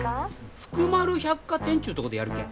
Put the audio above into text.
福丸百貨店ちゅうとこでやるけん。